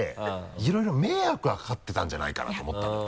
いろいろ迷惑がかかってたんじゃないかなと思ったのよ。